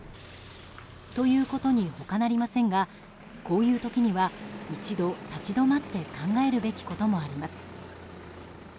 ということに他なりませんがこういう時には一度立ち止まって考えるべきこともあります。